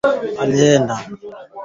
Uwepo wa nzi wengi wa kuuma